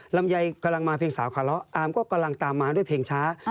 ลำไยกำลังมาเพลงสาวคาเลาะอาร์มก็กำลังตามมาด้วยเพลงช้า